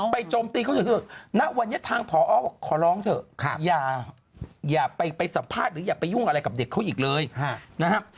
ไปยุ่งอะไรกับเด็กเขาอีกเลยนะฮะ